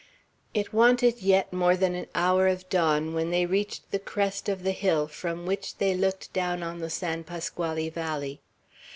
It wanted yet more than an hour of dawn when they reached the crest of the hill from which they looked down on the San Pasquale valley.